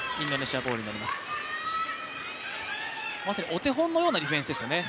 お手本のようなディフェンスでしたね。